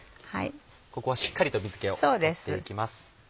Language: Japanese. ここはしっかりと水気を取っていきます。